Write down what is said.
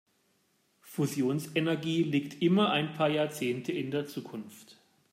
Fusionsenergie liegt immer ein paar Jahrzehnte in der Zukunft.